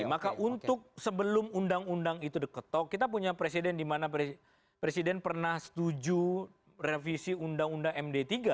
maka untuk sebelum undang undang itu diketok kita punya presiden di mana presiden pernah setuju revisi undang undang md tiga